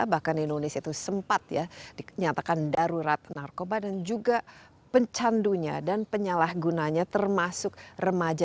bahkan indonesia itu sempat ya dinyatakan darurat narkoba dan juga pencandunya dan penyalahgunanya termasuk remaja